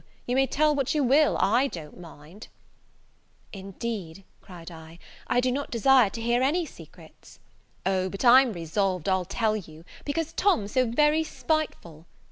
you may tell what you will; I don't mind " "Indeed," cried I, "I do not desire to hear any secrets." "O, but I'm resolved I'll tell you, because Tom's so very spiteful.